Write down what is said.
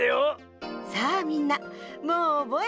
さあみんなもうおぼえたかしら？